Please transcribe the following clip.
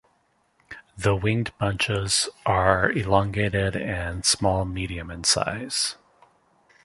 The winged bunches are elongated and small-medium in size.